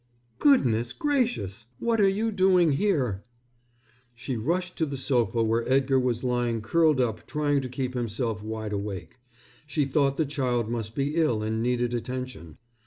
"Goodness gracious! What are you doing here?" She rushed to the sofa where Edgar was lying curled up trying to keep himself wide awake. She thought the child must be ill and needed attention.